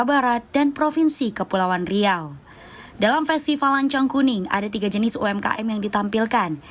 barat dan provinsi kepulauan riau dalam festival lancong kuning ada tiga jenis umkm yang ditampilkan